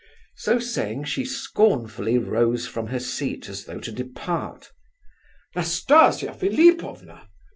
So saying, she scornfully rose from her seat as though to depart. "Nastasia Philipovna!